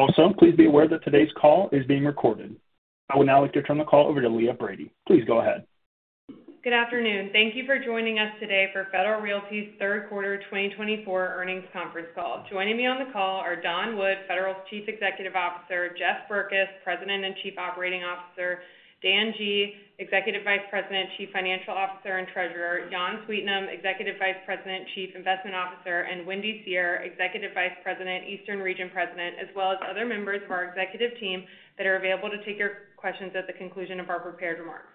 Also, please be aware that today's call is being recorded. I would now like to turn the call over to Leah Brady. Please go ahead. Good afternoon. Thank you for joining us today for Federal Realty's third quarter 2024 earnings conference call. Joining me on the call are Don Wood, Federal's Chief Executive Officer, Jeff Berkes, President and Chief Operating Officer, Dan Guglielmone, Executive Vice President, Chief Financial Officer and Treasurer, Jan Sweetnam, Executive Vice President, Chief Investment Officer, and Wendy Seher, Executive Vice President, Eastern Region President, as well as other members of our executive team that are available to take your questions at the conclusion of our prepared remarks.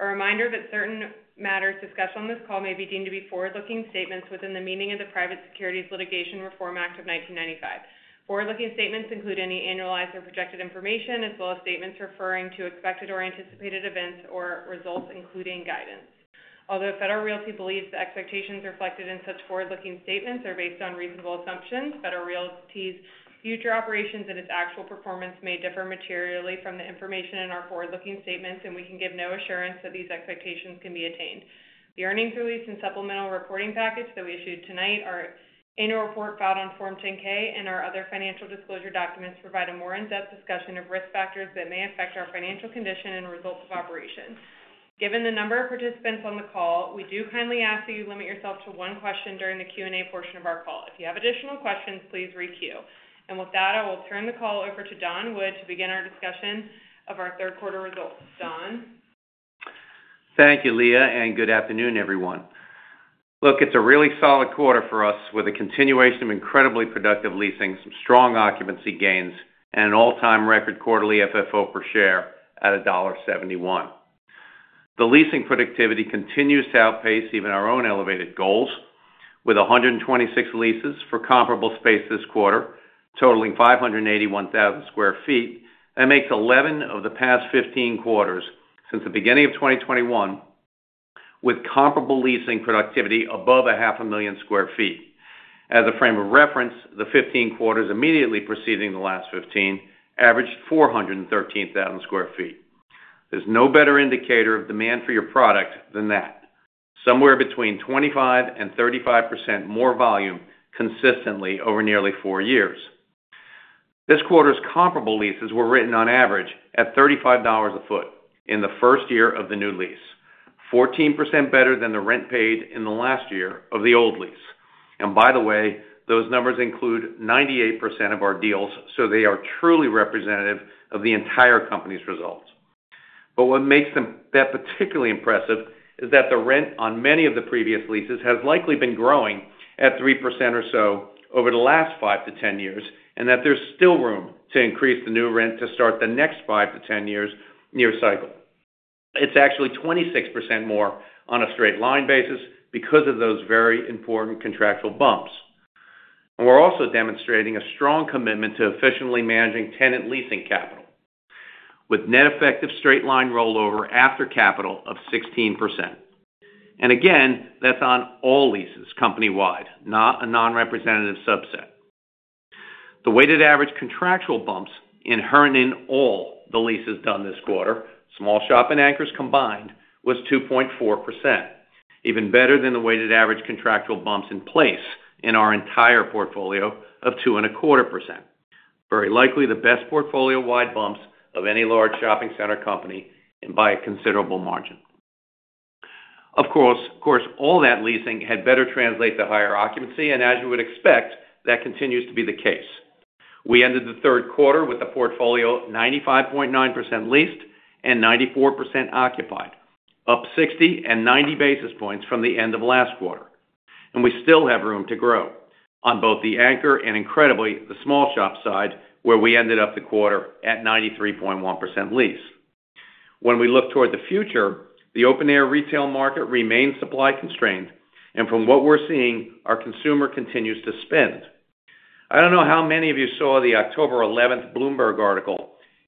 A reminder that certain matters discussed on this call may be deemed to be forward-looking statements within the meaning of the Private Securities Litigation Reform Act of 1995. Forward-looking statements include any annualized or projected information, as well as statements referring to expected or anticipated events or results, including guidance. Although Federal Realty believes the expectations reflected in such forward-looking statements are based on reasonable assumptions, Federal Realty's future operations and its actual performance may differ materially from the information in our forward-looking statements, and we can give no assurance that these expectations can be attained. The earnings release and supplemental reporting package that we issued tonight, our annual report filed on Form 10-K, and our other financial disclosure documents provide a more in-depth discussion of risk factors that may affect our financial condition and results of operation. Given the number of participants on the call, we do kindly ask that you limit yourself to one question during the Q&A portion of our call. If you have additional questions, please re-queue. And with that, I will turn the call over to Don Wood to begin our discussion of our third quarter results. Don? Thank you, Leah, and good afternoon, everyone. Look, it's a really solid quarter for us with a continuation of incredibly productive leasing, some strong occupancy gains, and an all-time record quarterly FFO per share at $1.71. The leasing productivity continues to outpace even our own elevated goals with 126 leases for comparable space this quarter, totaling 581,000 sq ft, and makes 11 of the past 15 quarters since the beginning of 2021 with comparable leasing productivity above 500,000 sq ft. As a frame of reference, the 15 quarters immediately preceding the last 15 averaged 413,000 sq ft. There's no better indicator of demand for your product than that, somewhere between 25%-35% more volume consistently over nearly four years. This quarter's comparable leases were written, on average, at $35 a foot in the first year of the new lease, 14% better than the rent paid in the last year of the old lease. And by the way, those numbers include 98% of our deals, so they are truly representative of the entire company's results. But what makes them that particularly impressive is that the rent on many of the previous leases has likely been growing at 3% or so over the last 5 to 10 years, and that there's still room to increase the new rent to start the next 5 to 10 years' year cycle. It's actually 26% more on a straight-line basis because of those very important contractual bumps. And we're also demonstrating a strong commitment to efficiently managing tenant leasing capital, with net effective straight-line rollover after capital of 16%. And again, that's on all leases company-wide, not a non-representative subset. The weighted average contractual bumps inherent in all the leases done this quarter, small shop and anchors combined, was 2.4%, even better than the weighted average contractual bumps in place in our entire portfolio of 2.25%, very likely the best portfolio-wide bumps of any large shopping center company and by a considerable margin. Of course, all that leasing had better translate to higher occupancy, and as you would expect, that continues to be the case. We ended the third quarter with a portfolio 95.9% leased and 94% occupied, up 60 and 90 basis points from the end of last quarter. And we still have room to grow on both the anchor and, incredibly, the small shop side, where we ended up the quarter at 93.1% leased. When we look toward the future, the open-air retail market remains supply-constrained, and from what we're seeing, our consumer continues to spend. I don't know how many of you saw the October 11th Bloomberg article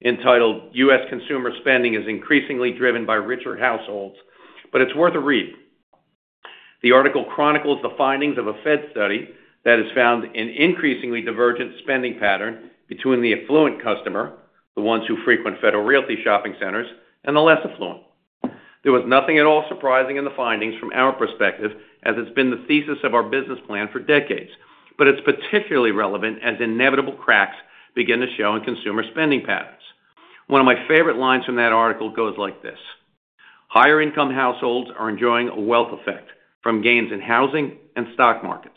entitled "U.S. Consumer Spending is Increasingly Driven by Richer Households," but it's worth a read. The article chronicles the findings of a Fed study that has found an increasingly divergent spending pattern between the affluent customer, the ones who frequent Federal Realty shopping centers, and the less affluent. There was nothing at all surprising in the findings from our perspective, as it's been the thesis of our business plan for decades, but it's particularly relevant as inevitable cracks begin to show in consumer spending patterns. One of my favorite lines from that article goes like this: "Higher-income households are enjoying a wealth effect from gains in housing and stock markets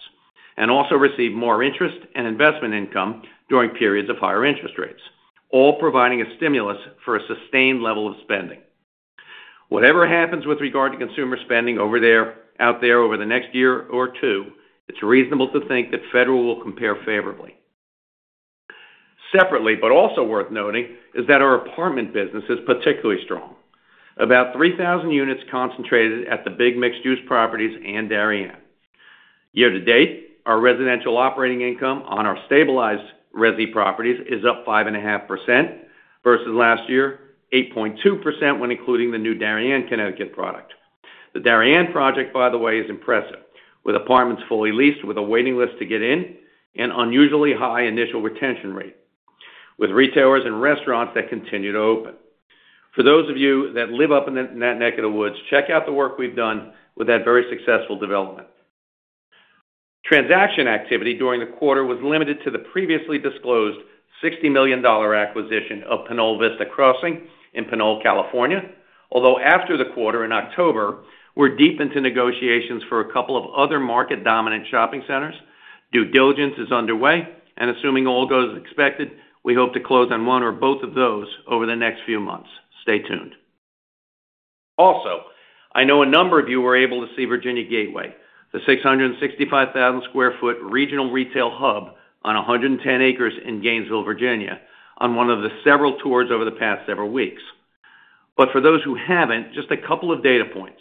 and also receive more interest and investment income during periods of higher interest rates, all providing a stimulus for a sustained level of spending. Whatever happens with regard to consumer spending over there, out there over the next year or two, it's reasonable to think that Federal will compare favorably." Separately, but also worth noting, is that our apartment business is particularly strong, about 3,000 units concentrated at the big mixed-use properties and Darien, Connecticut. Year-to-date, our residential operating income on our stabilized resi properties is up 5.5% versus last year, 8.2% when including the new Darien, Connecticut product. The Darien project, by the way, is impressive, with apartments fully leased, with a waiting list to get in, and unusually high initial retention rate, with retailers and restaurants that continue to open. For those of you that live up in that neck of the woods, check out the work we've done with that very successful development. Transaction activity during the quarter was limited to the previously disclosed $60 million acquisition of Pinole Vista Crossing in Pinole, California. Although after the quarter in October, we're deep into negotiations for a couple of other market-dominant shopping centers. Due diligence is underway, and assuming all goes as expected, we hope to close on one or both of those over the next few months. Stay tuned. Also, I know a number of you were able to see Virginia Gateway, the 665,000 sq ft regional retail hub on 110 acres in Gainesville, Virginia, on one of the several tours over the past several weeks. But for those who haven't, just a couple of data points.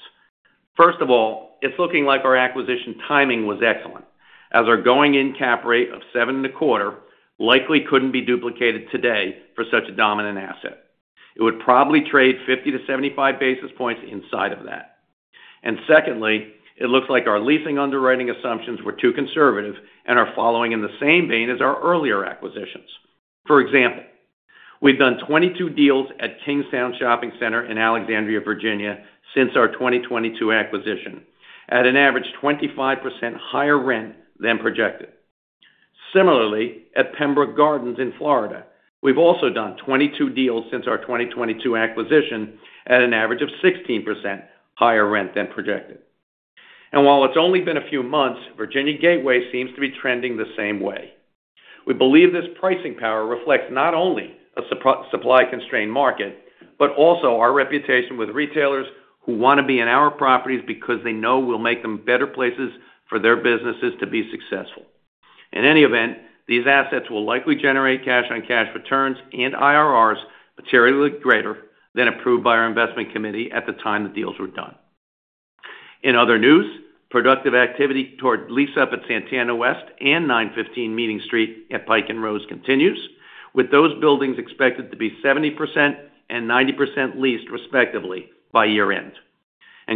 First of all, it's looking like our acquisition timing was excellent, as our going-in cap rate of 7.25% likely couldn't be duplicated today for such a dominant asset. It would probably trade 50 to 75 basis points inside of that. And secondly, it looks like our leasing underwriting assumptions were too conservative and are following in the same vein as our earlier acquisitions. For example, we've done 22 deals at Kingstowne Shopping Center in Alexandria, Virginia, since our 2022 acquisition, at an average 25% higher rent than projected. Similarly, at Pembroke Gardens in Florida, we've also done 22 deals since our 2022 acquisition at an average of 16% higher rent than projected. And while it's only been a few months, Virginia Gateway seems to be trending the same way. We believe this pricing power reflects not only a supply-constrained market, but also our reputation with retailers who want to be in our properties because they know we'll make them better places for their businesses to be successful. In any event, these assets will likely generate cash-on-cash returns and IRRs materially greater than approved by our investment committee at the time the deals were done. In other news, productive activity toward lease-up at Santana West and 915 Meeting Street at Pike & Rose continues, with those buildings expected to be 70% and 90% leased, respectively, by year-end.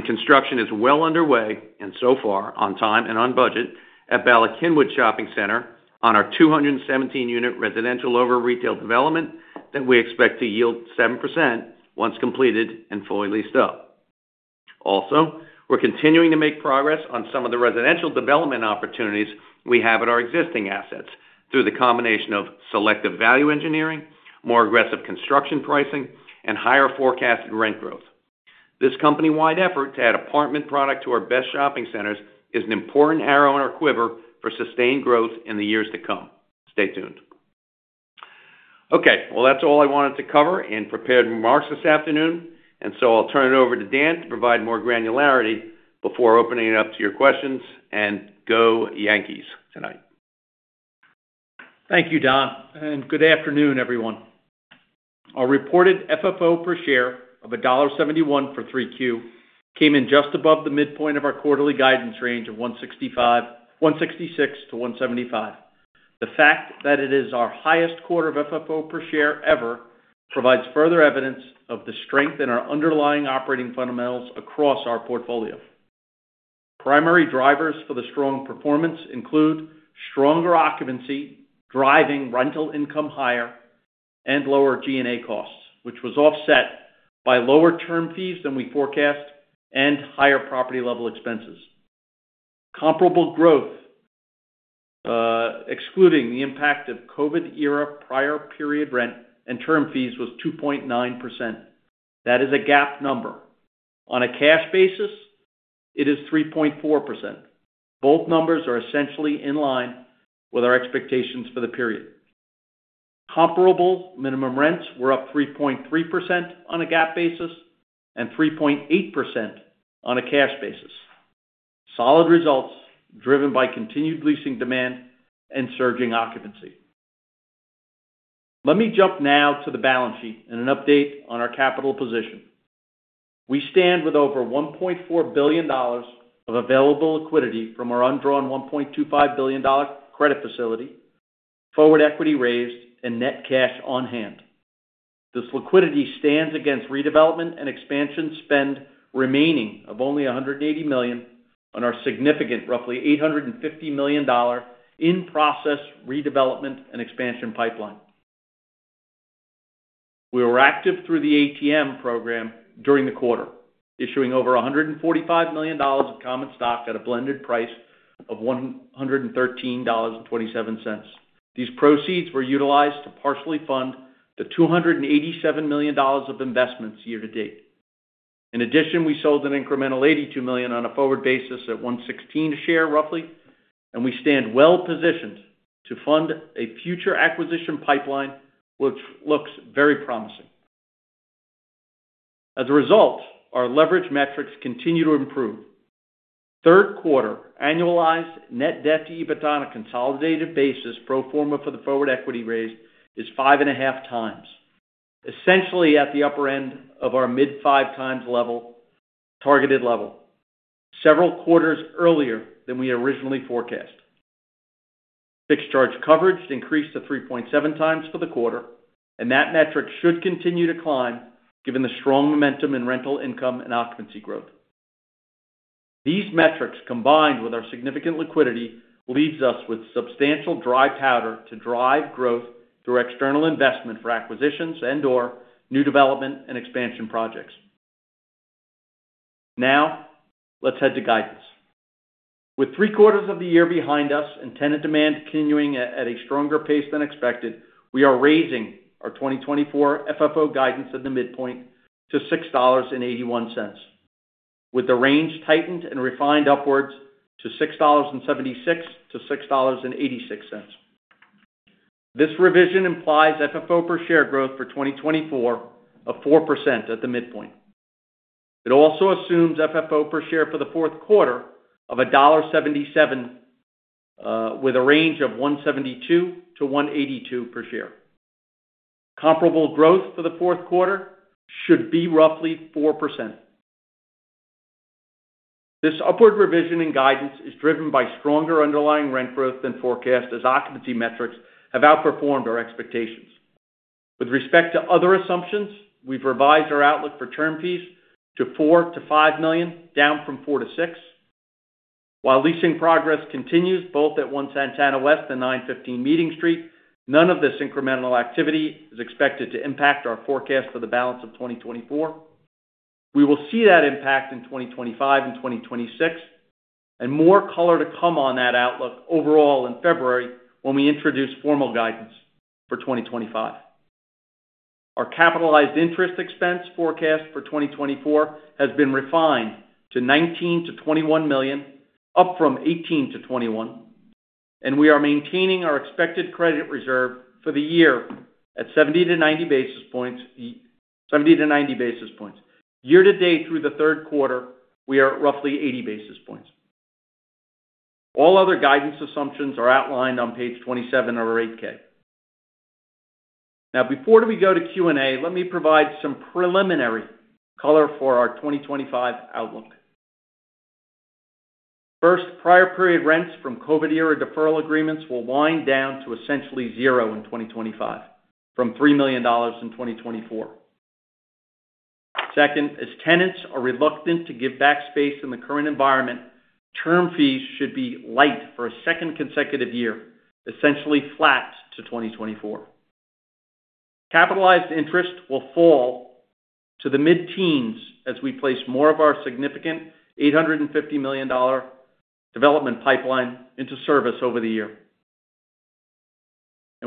Construction is well underway, and so far, on time and on budget, at Bala Cynwyd Shopping Center on our 217-unit residential over-retail development that we expect to yield 7% once completed and fully leased up. Also, we're continuing to make progress on some of the residential development opportunities we have at our existing assets through the combination of selective value engineering, more aggressive construction pricing, and higher forecasted rent growth. This company-wide effort to add apartment product to our best shopping centers is an important arrow in our quiver for sustained growth in the years to come. Stay tuned. Okay, well, that's all I wanted to cover in prepared remarks this afternoon, and so I'll turn it over to Dan to provide more granularity before opening it up to your questions and go Yankees tonight. Thank you, Don, and good afternoon, everyone. Our reported FFO per share of $1.71 for 3Q came in just above the midpoint of our quarterly guidance range of 166-175. The fact that it is our highest quarter of FFO per share ever provides further evidence of the strength in our underlying operating fundamentals across our portfolio. Primary drivers for the strong performance include stronger occupancy, driving rental income higher, and lower G&A costs, which was offset by lower term fees than we forecast and higher property-level expenses. Comparable growth, excluding the impact of COVID-era prior period rent and term fees, was 2.9%. That is a GAAP number. On a cash basis, it is 3.4%. Both numbers are essentially in line with our expectations for the period. Comparable minimum rents were up 3.3% on a GAAP basis and 3.8% on a cash basis. Solid results driven by continued leasing demand and surging occupancy. Let me jump now to the balance sheet and an update on our capital position. We stand with over $1.4 billion of available liquidity from our undrawn $1.25 billion credit facility, forward equity raised, and net cash on hand. This liquidity stands against redevelopment and expansion spend remaining of only $180 million on our significant roughly $850 million in process redevelopment and expansion pipeline. We were active through the ATM program during the quarter, issuing over $145 million of common stock at a blended price of $113.27. These proceeds were utilized to partially fund the $287 million of investments year-to-date. In addition, we sold an incremental $82 million on a forward basis at $116 a share roughly, and we stand well-positioned to fund a future acquisition pipeline, which looks very promising. As a result, our leverage metrics continue to improve. Third quarter annualized net debt to EBITDA on a consolidated basis pro forma for the forward equity raised is 5.5 times, essentially at the upper end of our mid-5 times targeted level, several quarters earlier than we originally forecast. Fixed charge coverage increased to 3.7 times for the quarter, and that metric should continue to climb given the strong momentum in rental income and occupancy growth. These metrics, combined with our significant liquidity, leave us with substantial dry powder to drive growth through external investment for acquisitions and/or new development and expansion projects. Now, let's head to guidance. With three quarters of the year behind us and tenant demand continuing at a stronger pace than expected, we are raising our 2024 FFO guidance at the midpoint to $6.81, with the range tightened and refined upwards to $6.76 to $6.86. This revision implies FFO per share growth for 2024 of 4% at the midpoint. It also assumes FFO per share for the fourth quarter of $1.77, with a range of $1.72-$1.82 per share. Comparable growth for the fourth quarter should be roughly 4%. This upward revision in guidance is driven by stronger underlying rent growth than forecast, as occupancy metrics have outperformed our expectations. With respect to other assumptions, we've revised our outlook for term fees to $4-$5 million, down from $4-$6 million. While leasing progress continues both at 1 Santana West and 915 Meeting Street, none of this incremental activity is expected to impact our forecast for the balance of 2024. We will see that impact in 2025 and 2026, and more color to come on that outlook overall in February when we introduce formal guidance for 2025. Our capitalized interest expense forecast for 2024 has been refined to $19-$21 million, up from $18-$21, and we are maintaining our expected credit reserve for the year at 70-90 basis points. Year-to-date through the third quarter, we are roughly 80 basis points. All other guidance assumptions are outlined on page 27 of our 8-K. Now, before we go to Q&A, let me provide some preliminary color for our 2025 outlook. First, prior period rents from COVID-era deferral agreements will wind down to essentially zero in 2025, from $3 million in 2024. Second, as tenants are reluctant to give back space in the current environment, term fees should be light for a second consecutive year, essentially flat to 2024. Capitalized interest will fall to the mid-teens as we place more of our significant $850 million development pipeline into service over the year.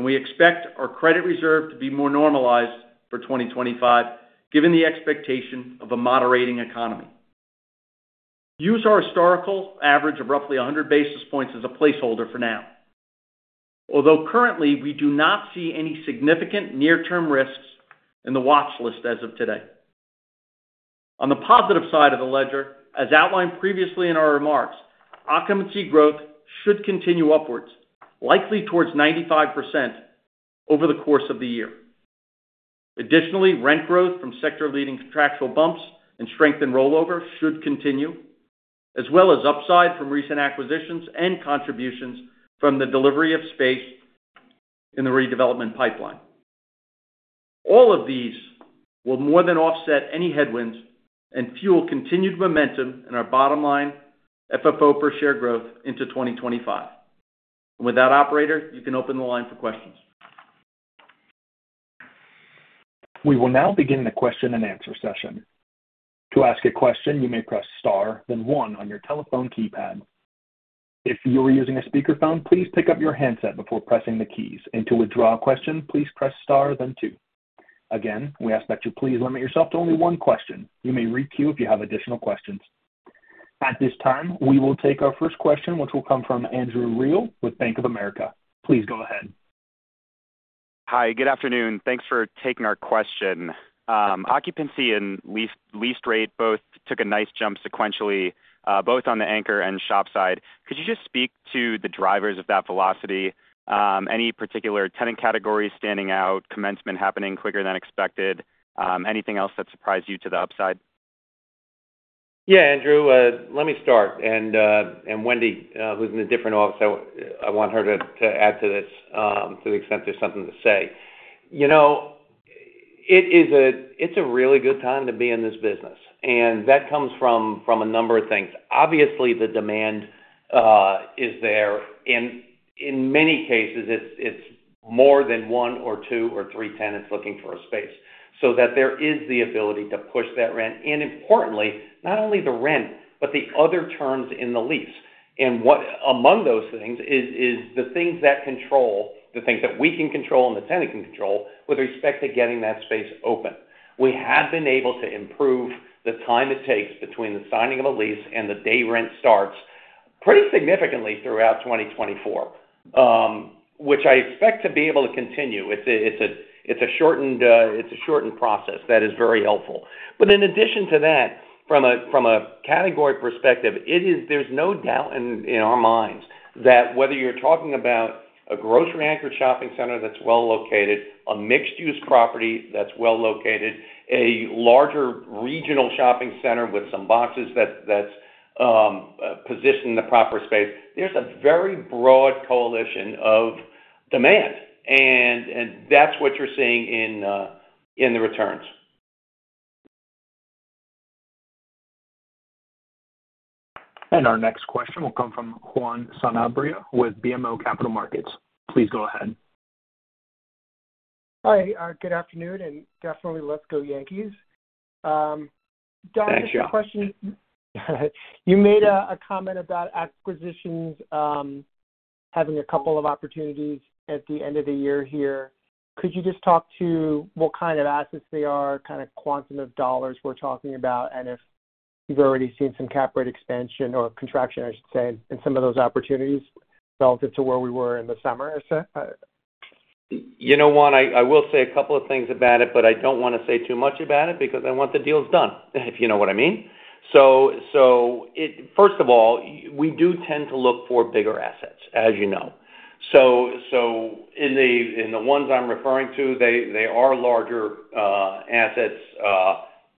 We expect our credit reserve to be more normalized for 2025, given the expectation of a moderating economy. Use our historical average of roughly 100 basis points as a placeholder for now, although currently we do not see any significant near-term risks in the watch list as of today. On the positive side of the ledger, as outlined previously in our remarks, occupancy growth should continue upwards, likely towards 95% over the course of the year. Additionally, rent growth from sector-leading contractual bumps and strengthened rollover should continue, as well as upside from recent acquisitions and contributions from the delivery of space in the redevelopment pipeline. All of these will more than offset any headwinds and fuel continued momentum in our bottom line FFO per share growth into 2025. With that, Operator, you can open the line for questions. We will now begin the question-and-answer session. To ask a question, you may press Star, then one on your telephone keypad. If you are using a speakerphone, please pick up your handset before pressing the keys. And to withdraw a question, please press Star, then two. Again, we ask that you please limit yourself to only one question. You may re-queue if you have additional questions. At this time, we will take our first question, which will come from Andrew Reel with Bank of America. Please go ahead. Hi, good afternoon. Thanks for taking our question. Occupancy and lease rate both took a nice jump sequentially, both on the anchor and shop side. Could you just speak to the drivers of that velocity? Any particular tenant category standing out, commencement happening quicker than expected? Anything else that surprised you to the upside? Yeah, Andrew, let me start. And Wendy, who's in a different office, I want her to add to this to the extent there's something to say. You know, it's a really good time to be in this business, and that comes from a number of things. Obviously, the demand is there, and in many cases, it's more than one or two or three tenants looking for a space so that there is the ability to push that rent. And importantly, not only the rent, but the other terms in the lease. And among those things is the things that control, the things that we can control and the tenant can control with respect to getting that space open. We have been able to improve the time it takes between the signing of a lease and the day rent starts pretty significantly throughout 2024, which I expect to be able to continue. It's a shortened process that is very helpful. But in addition to that, from a category perspective, there's no doubt in our minds that whether you're talking about a grocery-anchored shopping center that's well located, a mixed-use property that's well located, a larger regional shopping center with some boxes that's positioned in the proper space, there's a very broad coalition of demand, and that's what you're seeing in the returns. Our next question will come from Juan Sanabria with BMO Capital Markets. Please go ahead. Hi, good afternoon, and definitely let's go Yankees. Don, just a question. You made a comment about acquisitions having a couple of opportunities at the end of the year here. Could you just talk to what kind of assets they are, kind of quantum of dollars we're talking about, and if you've already seen some cap rate expansion or contraction, I should say, in some of those opportunities relative to where we were in the summer? You know, Juan, I will say a couple of things about it, but I don't want to say too much about it because I want the deals done, if you know what I mean. So first of all, we do tend to look for bigger assets, as you know. So in the ones I'm referring to, they are larger assets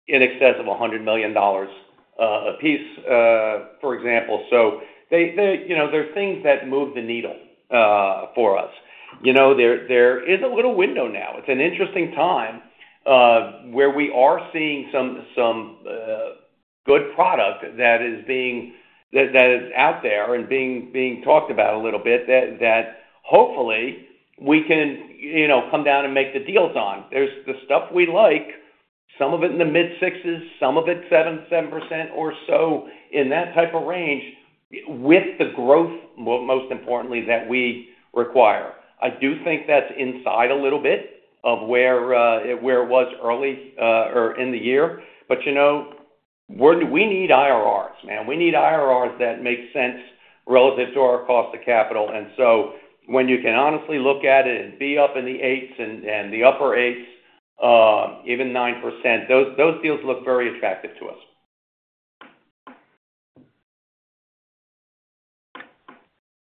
in excess of $100 million apiece, for example. So there are things that move the needle for us. You know, there is a little window now. It's an interesting time where we are seeing some good product that is out there and being talked about a little bit that hopefully we can come down and make the deals on. There's the stuff we like, some of it in the mid-sixes, some of it 7% or so in that type of range with the growth, most importantly, that we require. I do think that's inside a little bit of where it was early or in the year. But you know, we need IRRs, man. We need IRRs that make sense relative to our cost of capital. And so when you can honestly look at it and be up in the eights and the upper eights, even 9%, those deals look very attractive to us.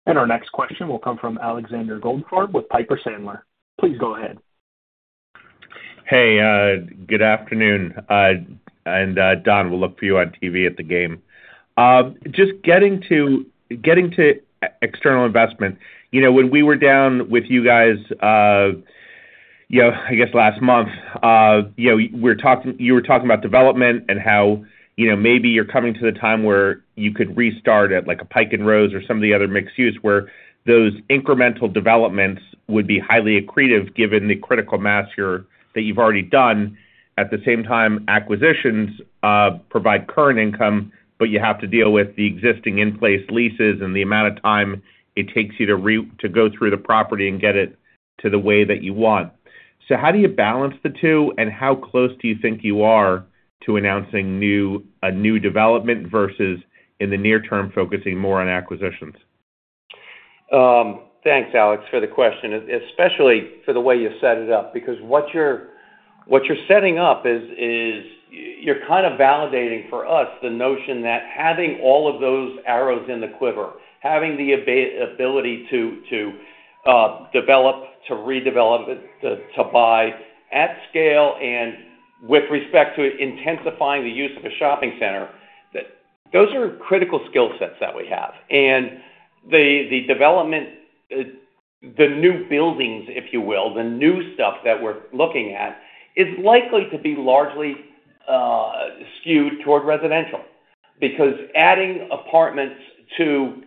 And our next question will come from Alexander Goldfarb with Piper Sandler. Please go ahead. Hey, good afternoon. And Don, we'll look for you on TV at the game. Just getting to external investment, you know, when we were down with you guys, you know, I guess last month, you were talking about development and how maybe you're coming to the time where you could restart at like a Pike & Rose or some of the other mixed-use where those incremental developments would be highly accretive given the critical mass that you've already done. At the same time, acquisitions provide current income, but you have to deal with the existing in-place leases and the amount of time it takes you to go through the property and get it to the way that you want. So how do you balance the two, and how close do you think you are to announcing a new development versus in the near term focusing more on acquisitions? Thanks, Alex, for the question, especially for the way you set it up, because what you're setting up is you're kind of validating for us the notion that having all of those arrows in the quiver, having the ability to develop, to redevelop, to buy at scale and with respect to intensifying the use of a shopping center, those are critical skill sets that we have, and the development, the new buildings, if you will, the new stuff that we're looking at is likely to be largely skewed toward residential because adding apartments to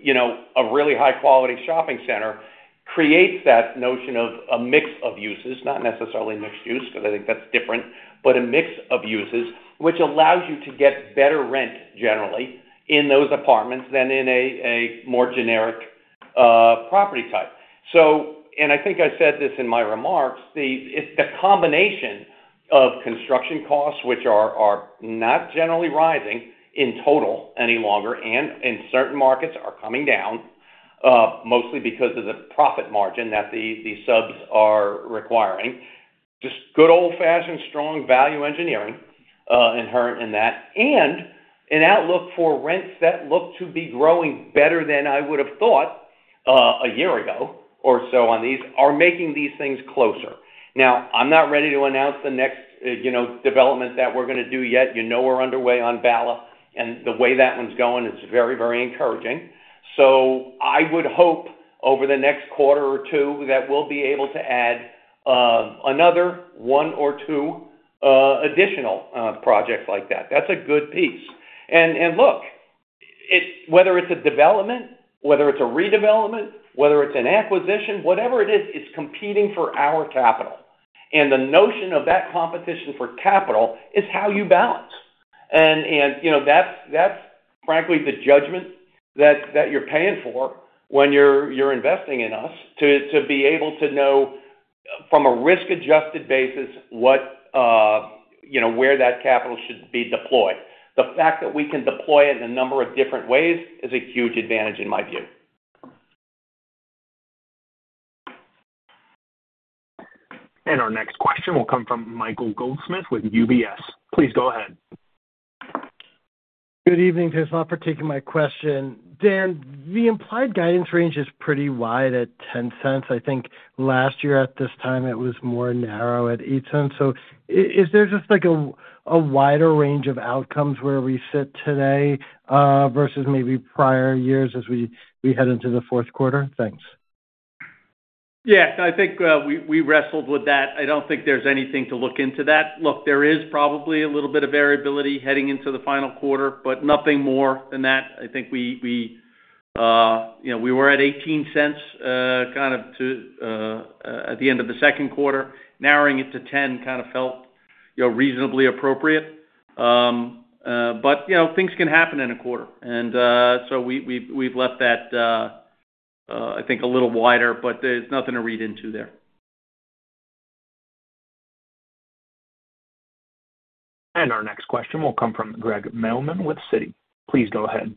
a really high-quality shopping center creates that notion of a mix of uses, not necessarily mixed-use, because I think that's different, but a mix of uses, which allows you to get better rent generally in those apartments than in a more generic property type. So, and I think I said this in my remarks, the combination of construction costs, which are not generally rising in total any longer, and in certain markets are coming down mostly because of the profit margin that the subs are requiring, just good old-fashioned strong value engineering inherent in that, and an outlook for rents that look to be growing better than I would have thought a year ago or so on these are making these things closer. Now, I'm not ready to announce the next development that we're going to do yet. You know we're underway on Bala, and the way that one's going is very, very encouraging. So I would hope over the next quarter or two that we'll be able to add another one or two additional projects like that. That's a good piece. Look, whether it's a development, whether it's a redevelopment, whether it's an acquisition, whatever it is, it's competing for our capital. The notion of that competition for capital is how you balance. That's, frankly, the judgment that you're paying for when you're investing in us to be able to know from a risk-adjusted basis where that capital should be deployed. The fact that we can deploy it in a number of different ways is a huge advantage in my view. And our next question will come from Michael Goldsmith with UBS. Please go ahead. Good evening, Pip. I'll partake in my question. Dan, the implied guidance range is pretty wide at $0.10. I think last year at this time it was more narrow at $0.08. So is there just like a wider range of outcomes where we sit today versus maybe prior years as we head into the fourth quarter? Thanks. Yes, I think we wrestled with that. I don't think there's anything to look into that. Look, there is probably a little bit of variability heading into the final quarter, but nothing more than that. I think we were at $0.18 kind of at the end of the second quarter. Narrowing it to $0.10 kind of felt reasonably appropriate. But things can happen in a quarter. And so we've left that, I think, a little wider, but there's nothing to read into there. Our next question will come from Craig Mailman with Citi. Please go ahead.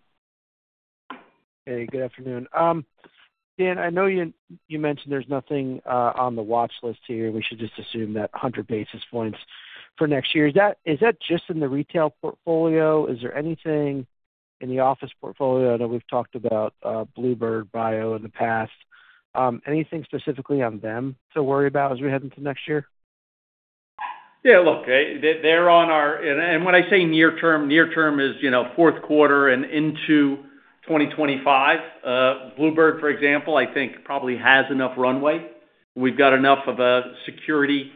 Hey, good afternoon. Dan, I know you mentioned there's nothing on the watch list here. We should just assume that 100 basis points for next year. Is that just in the retail portfolio? Is there anything in the office portfolio? I know we've talked about bluebird bio in the past. Anything specifically on them to worry about as we head into next year? Yeah, look, they're on our - and when I say near term, near term is fourth quarter and into 2025. Bluebird, for example, I think probably has enough runway. We've got enough of a security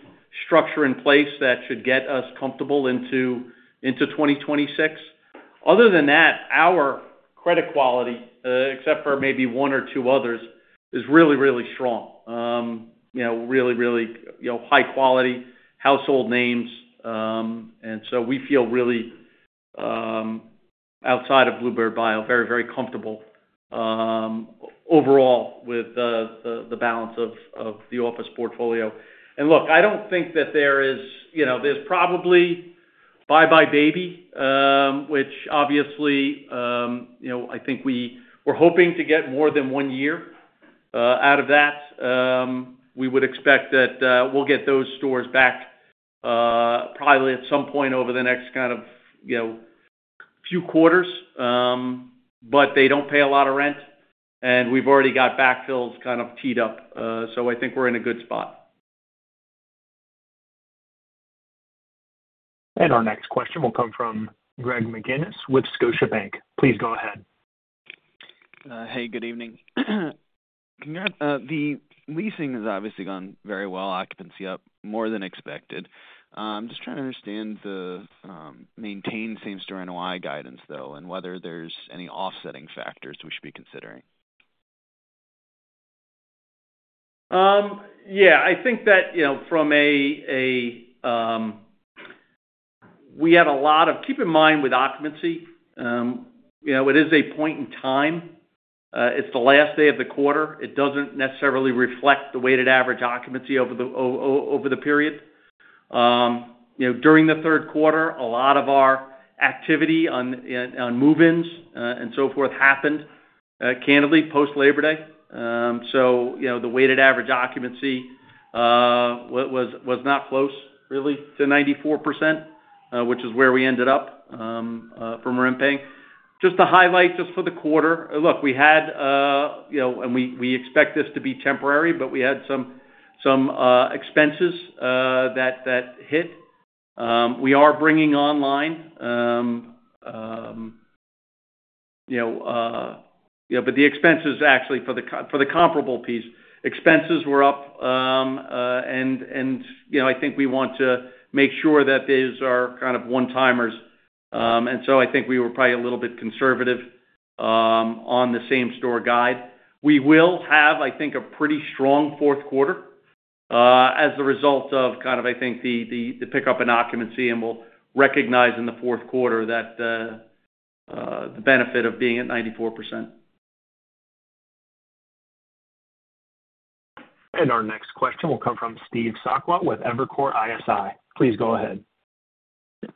structure in place that should get us comfortable into 2026. Other than that, our credit quality, except for maybe one or two others, is really, really strong. Really, really high-quality household names. And so we feel really, outside of Bluebird bio, very, very comfortable overall with the balance of the office portfolio. And look, I don't think that there is - there's probably buybuy BABY, which obviously I think we're hoping to get more than one year out of that. We would expect that we'll get those stores back probably at some point over the next kind of few quarters, but they don't pay a lot of rent, and we've already got backfills kind of teed up. So I think we're in a good spot. Our next question will come from Greg McGinniss with Scotiabank. Please go ahead. Hey, good evening. The leasing has obviously gone very well, occupancy up more than expected. I'm just trying to understand the maintain same-store NOI guidance, though, and whether there's any offsetting factors we should be considering. Yeah, I think that keep in mind with occupancy, it is a point in time. It's the last day of the quarter. It doesn't necessarily reflect the weighted average occupancy over the period. During the third quarter, a lot of our activity on move-ins and so forth happened, candidly, post-Labor Day. So the weighted average occupancy was not close, really, to 94%, which is where we ended up from rent paying. Just to highlight just for the quarter, look, we had, and we expect this to be temporary, but we had some expenses that hit. We are bringing online. But the expenses, actually, for the comparable piece, expenses were up, and I think we want to make sure that these are kind of one-timers. And so I think we were probably a little bit conservative on the same-store guide. We will have, I think, a pretty strong fourth quarter as the result of kind of, I think, the pickup in occupancy, and we'll recognize in the fourth quarter the benefit of being at 94%. Our next question will come from Steve Sakwa with Evercore ISI. Please go ahead.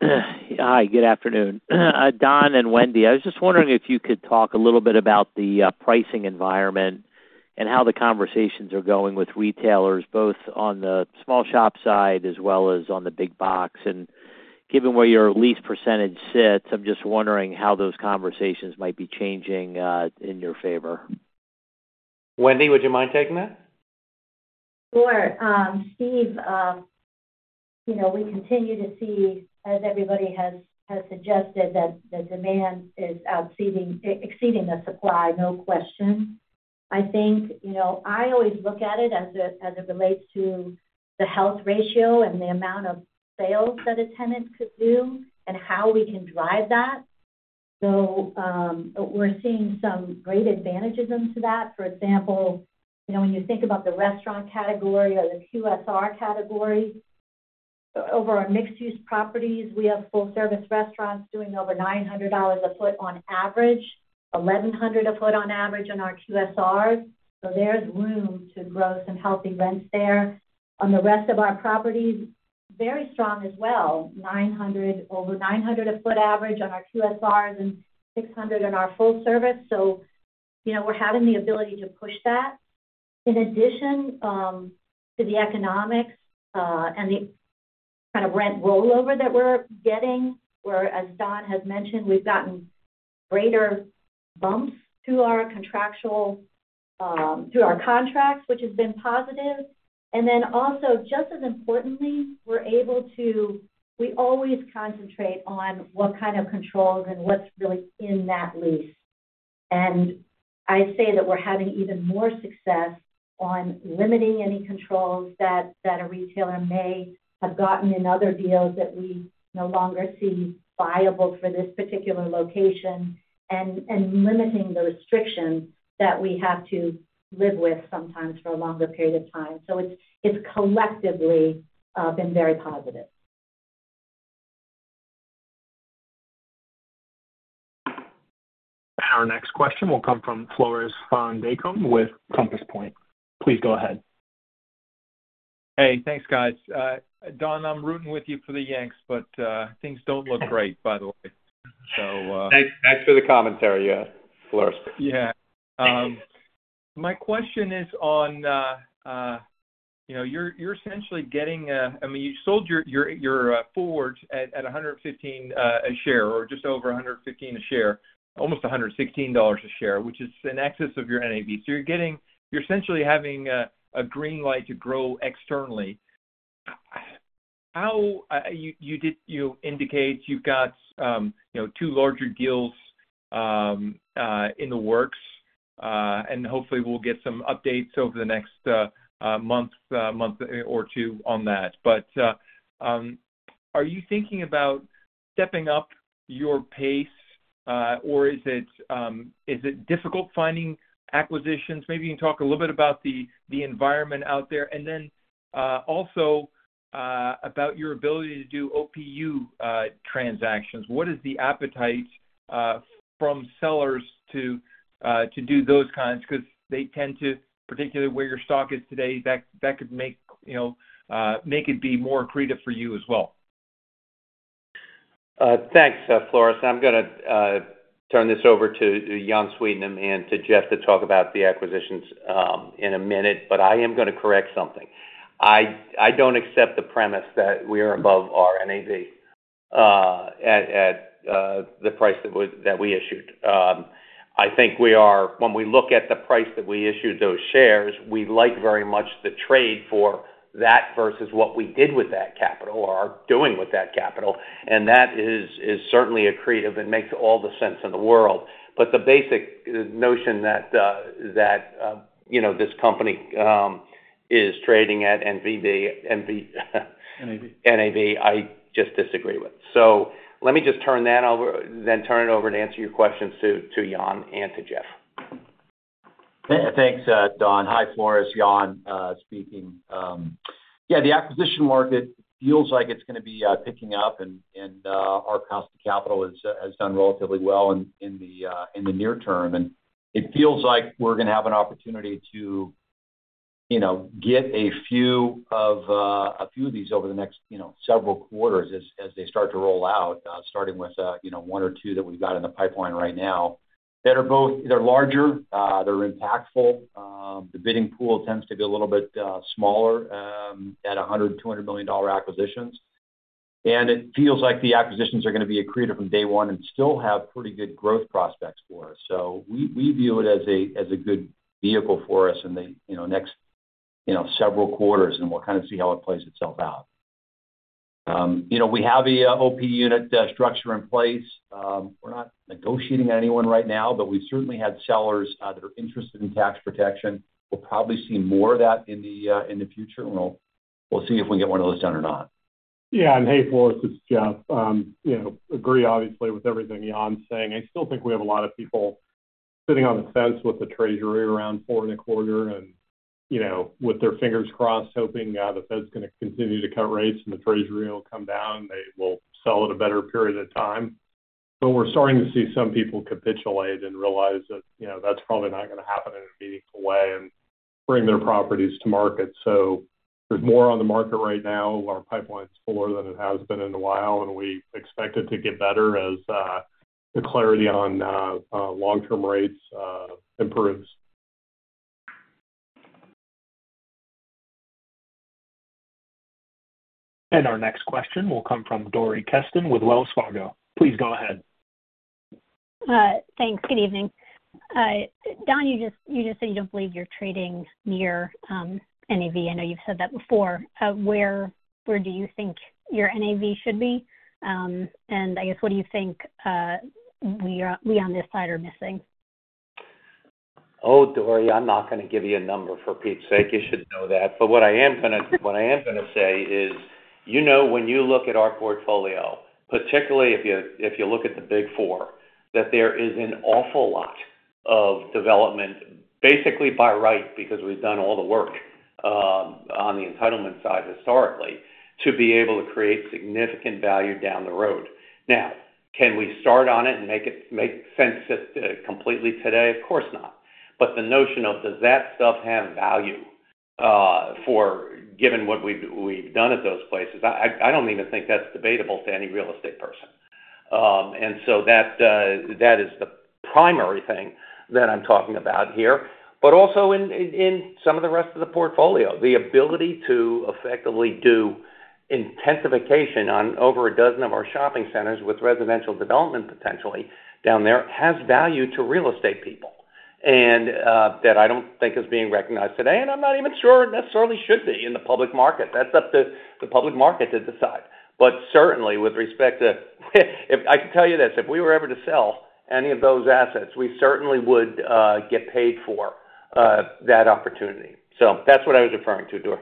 Hi, good afternoon. Don and Wendy, I was just wondering if you could talk a little bit about the pricing environment and how the conversations are going with retailers, both on the small shop side as well as on the big box, and given where your lease percentage sits, I'm just wondering how those conversations might be changing in your favor. Wendy, would you mind taking that? Sure. Steve, we continue to see, as everybody has suggested, that the demand is exceeding the supply, no question. I think I always look at it as it relates to the health ratio and the amount of sales that a tenant could do and how we can drive that. So we're seeing some great advantages into that. For example, when you think about the restaurant category or the QSR category, over our mixed-use properties, we have full-service restaurants doing over $900 a foot on average, $1,100 a foot on average on our QSRs. So there's room to grow some healthy rents there. On the rest of our properties, very strong as well, over $900 a foot average on our QSRs and $600 on our full service. So we're having the ability to push that. In addition to the economics and the kind of rent rollover that we're getting, where, as Don has mentioned, we've gotten greater bumps through our contracts, which has been positive. And then also, just as importantly, we're able to, we always concentrate on what kind of controls and what's really in that lease. And I say that we're having even more success on limiting any controls that a retailer may have gotten in other deals that we no longer see viable for this particular location and limiting the restrictions that we have to live with sometimes for a longer period of time. So it's collectively been very positive. Our next question will come from Floris van Dijkum with Compass Point. Please go ahead. Hey, thanks, guys. Don, I'm rooting with you for the Yanks, but things don't look great, by the way. Thanks for the commentary, Floris. Yeah. My question is on, you're essentially getting, I mean, you sold your OPUs at $115 a share or just over $115 a share, almost $116 a share, which is in excess of your NAV. So you're essentially having a green light to grow externally. You indicate you've got two larger deals in the works, and hopefully we'll get some updates over the next month or two on that. But are you thinking about stepping up your pace, or is it difficult finding acquisitions? Maybe you can talk a little bit about the environment out there. And then also about your ability to do OPU transactions. What is the appetite from sellers to do those kinds? Because they tend to, particularly where your stock is today, that could make it be more accretive for you as well. Thanks, Floris. I'm going to turn this over to Jan Sweetnam and to Jeff to talk about the acquisitions in a minute, but I am going to correct something. I don't accept the premise that we are above our NAV at the price that we issued. I think when we look at the price that we issued those shares, we like very much the trade for that versus what we did with that capital or are doing with that capital. And that is certainly accretive and makes all the sense in the world. But the basic notion that this company is trading at NAV, I just disagree with. So let me just turn that over, then turn it over and answer your questions to Jan and to Jeff. Thanks, Don. Hi, Floris, Jan speaking. Yeah, the acquisition market feels like it's going to be picking up, and our cost of capital has done relatively well in the near term, and it feels like we're going to have an opportunity to get a few of these over the next several quarters as they start to roll out, starting with one or two that we've got in the pipeline right now that are larger, they're impactful. The bidding pool tends to be a little bit smaller at $100-$200 million acquisitions, and it feels like the acquisitions are going to be accretive from day one and still have pretty good growth prospects for us. So we view it as a good vehicle for us in the next several quarters, and we'll kind of see how it plays itself out. We have an OPU unit structure in place. We're not negotiating on anyone right now, but we've certainly had sellers that are interested in tax protection. We'll probably see more of that in the future, and we'll see if we can get one of those done or not. Yeah, and hey, Floris, it's Jeff. I agree, obviously, with everything Jan's saying. I still think we have a lot of people sitting on the fence with the Treasury around four and a quarter and with their fingers crossed, hoping the Fed's going to continue to cut rates and the Treasury will come down and they will sell at a better period of time. But we're starting to see some people capitulate and realize that that's probably not going to happen in a meaningful way and bring their properties to market. So there's more on the market right now. Our pipeline's fuller than it has been in a while, and we expect it to get better as the clarity on long-term rates improves. Our next question will come from Dori Kesten with Wells Fargo. Please go ahead. Thanks. Good evening. Don, you just said you don't believe you're trading near NAV. I know you've said that before. Where do you think your NAV should be, and I guess, what do you think we on this side are missing? Oh, Dori, I'm not going to give you a number for Pete's sake. You should know that. But what I am going to say is, you know when you look at our portfolio, particularly if you look at the Big Four, that there is an awful lot of development, basically by right, because we've done all the work on the entitlement side historically, to be able to create significant value down the road. Now, can we start on it and make sense of it completely today? Of course not. But the notion of, does that stuff have value given what we've done at those places? I don't even think that's debatable to any real estate person. And so that is the primary thing that I'm talking about here. But also in some of the rest of the portfolio, the ability to effectively do intensification on over a dozen of our shopping centers with residential development potentially down there has value to real estate people that I don't think is being recognized today, and I'm not even sure it necessarily should be in the public market. That's up to the public market to decide. But certainly, with respect to, I can tell you this, if we were ever to sell any of those assets, we certainly would get paid for that opportunity. So that's what I was referring to, Dori.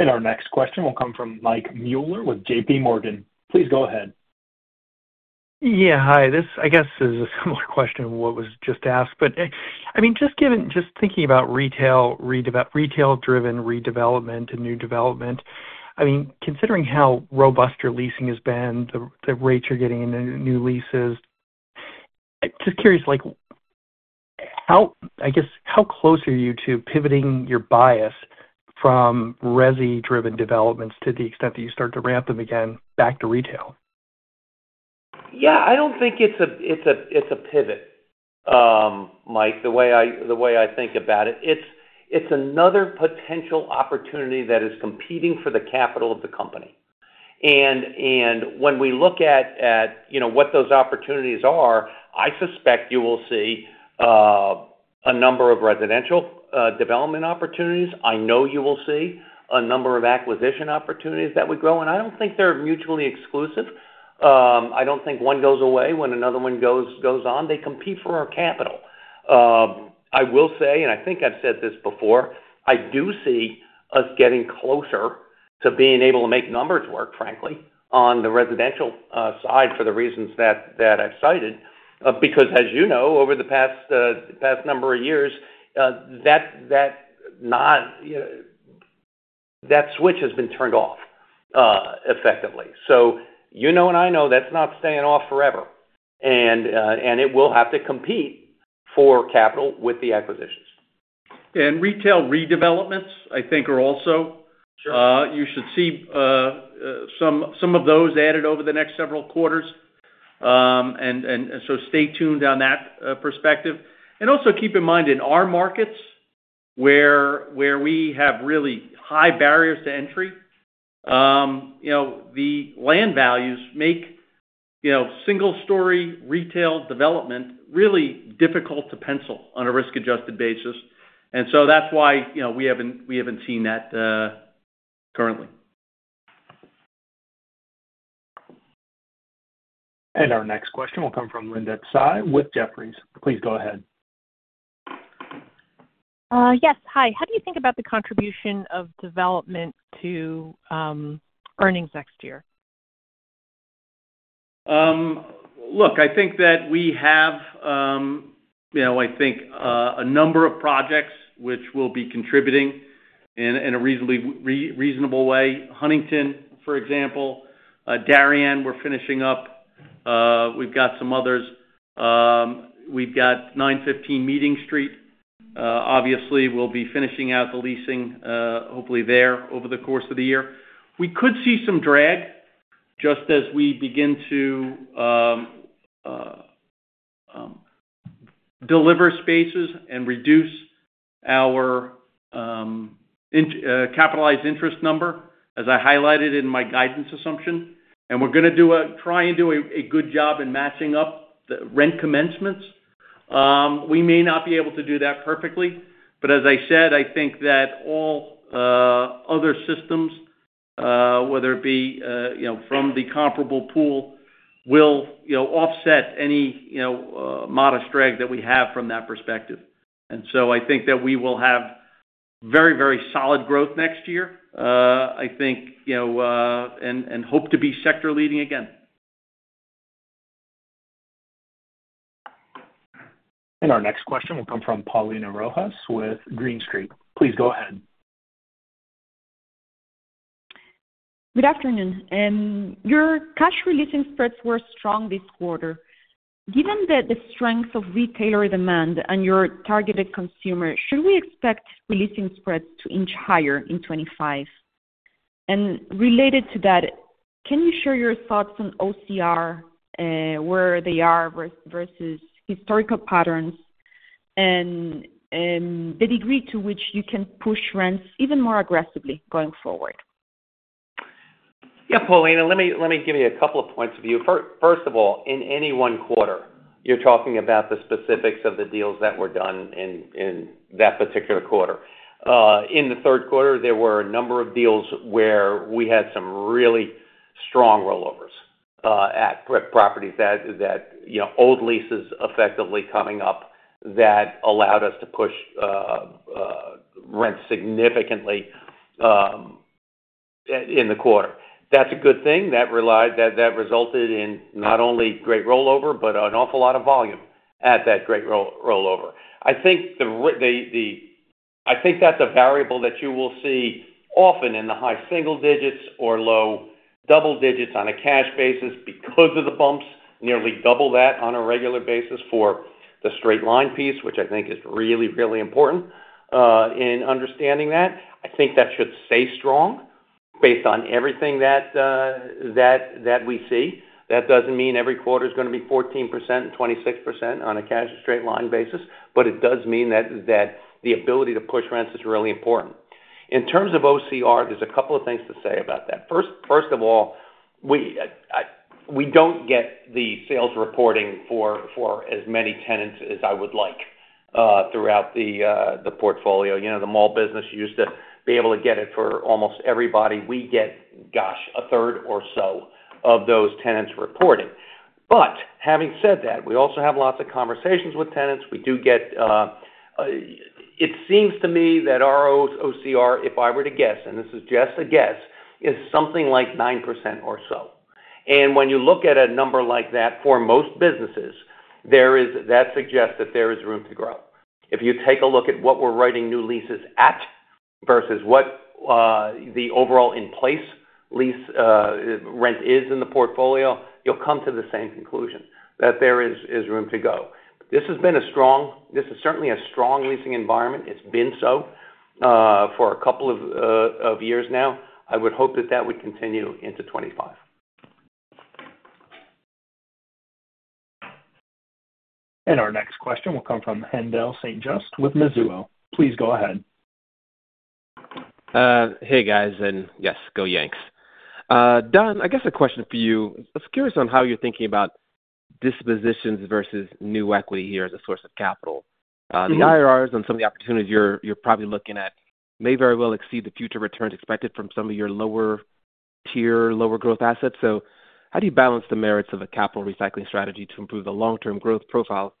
Our next question will come from Mike Mueller with JPMorgan. Please go ahead. Yeah, hi. This, I guess, is a similar question to what was just asked. But I mean, just thinking about retail-driven redevelopment and new development, I mean, considering how robust your leasing has been, the rates you're getting in new leases, just curious, I guess, how close are you to pivoting your bias from RESI-driven developments to the extent that you start to ramp them again back to retail? Yeah, I don't think it's a pivot, Mike, the way I think about it. It's another potential opportunity that is competing for the capital of the company. When we look at what those opportunities are, I suspect you will see a number of residential development opportunities. I know you will see a number of acquisition opportunities that would grow. I don't think they're mutually exclusive. I don't think one goes away when another one goes on. They compete for our capital. I will say, and I think I've said this before, I do see us getting closer to being able to make numbers work, frankly, on the residential side for the reasons that I've cited. Because, as you know, over the past number of years, that switch has been turned off effectively. So you know and I know that's not staying off forever. It will have to compete for capital with the acquisitions. And retail redevelopments, I think, are also, you should see some of those added over the next several quarters. And so stay tuned on that perspective. And also keep in mind, in our markets, where we have really high barriers to entry, the land values make single-story retail development really difficult to pencil on a risk-adjusted basis. And so that's why we haven't seen that currently. And our next question will come from Linda Tsai with Jefferies. Please go ahead. Yes, hi. How do you think about the contribution of development to earnings next year? Look, I think that we have, I think, a number of projects which will be contributing in a reasonable way. Huntington, for example. Darien, we're finishing up. We've got some others. We've got 915 Meeting Street, obviously, we'll be finishing out the leasing, hopefully, there over the course of the year. We could see some drag just as we begin to deliver spaces and reduce our capitalized interest number, as I highlighted in my guidance assumption. And we're going to try and do a good job in matching up the rent commencements. We may not be able to do that perfectly. But as I said, I think that all other systems, whether it be from the comparable pool, will offset any modest drag that we have from that perspective. I think that we will have very, very solid growth next year, I think, and hope to be sector-leading again. And our next question will come from Paulina Rojas with Green Street. Please go ahead. Good afternoon. Your cash releasing spreads were strong this quarter. Given the strength of retailer demand and your targeted consumer, should we expect releasing spreads to inch higher in 2025? And related to that, can you share your thoughts on OCR, where they are versus historical patterns, and the degree to which you can push rents even more aggressively going forward? Yeah, Paulina, let me give you a couple of points of view. First of all, in any one quarter, you're talking about the specifics of the deals that were done in that particular quarter. In the third quarter, there were a number of deals where we had some really strong rollovers at properties, old leases effectively coming up that allowed us to push rents significantly in the quarter. That's a good thing. That resulted in not only great rollover, but an awful lot of volume at that great rollover. I think that's a variable that you will see often in the high single digits or low double digits on a cash basis because of the bumps, nearly double that on a regular basis for the straight line piece, which I think is really, really important in understanding that. I think that should stay strong based on everything that we see. That doesn't mean every quarter is going to be 14% and 26% on a cash straight line basis, but it does mean that the ability to push rents is really important. In terms of OCR, there's a couple of things to say about that. First of all, we don't get the sales reporting for as many tenants as I would like throughout the portfolio. The mall business used to be able to get it for almost everybody. We get, gosh, a third or so of those tenants reporting. But having said that, we also have lots of conversations with tenants. We do get, it seems to me that our OCR, if I were to guess, and this is just a guess, is something like 9% or so, and when you look at a number like that for most businesses, that suggests that there is room to grow. If you take a look at what we're writing new leases at versus what the overall in-place rent is in the portfolio, you'll come to the same conclusion that there is room to go. This is certainly a strong leasing environment. It's been so for a couple of years now. I would hope that that would continue into 2025. Our next question will come from Haendel St. Juste with Mizuho. Please go ahead. Hey, guys. And yes, go Yanks. Don, I guess a question for you. I was curious on how you're thinking about dispositions versus new equity here as a source of capital. The IRRs and some of the opportunities you're probably looking at may very well exceed the future returns expected from some of your lower-tier, lower-growth assets. So how do you balance the merits of a capital recycling strategy to improve the long-term growth profile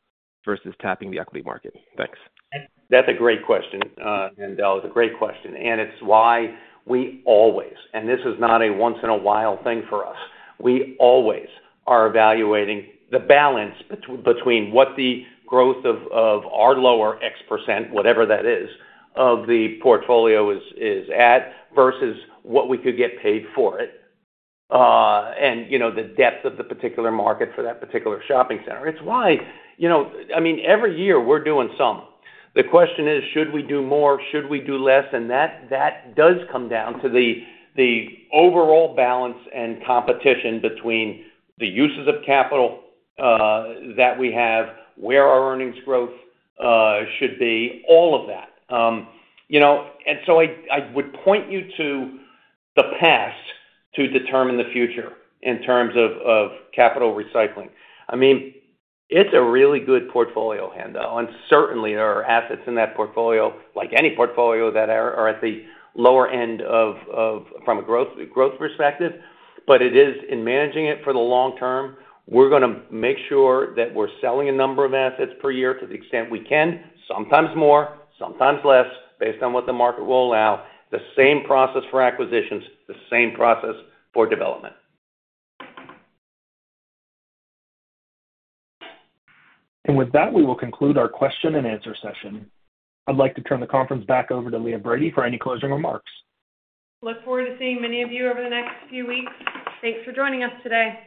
versus tapping the equity market? Thanks. That's a great question, Haendel. It's a great question, and it's why we always, and this is not a once-in-a-while thing for us, we always are evaluating the balance between what the growth of our lower X%, whatever that is, of the portfolio is at versus what we could get paid for it and the depth of the particular market for that particular shopping center. It's why, I mean, every year we're doing some. The question is, should we do more? Should we do less, and that does come down to the overall balance and competition between the uses of capital that we have, where our earnings growth should be, all of that, and so I would point you to the past to determine the future in terms of capital recycling. I mean, it's a really good portfolio, Haendel. Certainly, there are assets in that portfolio, like any portfolio, that are at the lower end from a growth perspective. It is in managing it for the long term. We're going to make sure that we're selling a number of assets per year to the extent we can, sometimes more, sometimes less, based on what the market will allow. The same process for acquisitions, the same process for development. With that, we will conclude our question-end-answer session. I'd like to turn the conference back over to Leah Brady for any closing remarks. Look forward to seeing many of you over the next few weeks. Thanks for joining us today.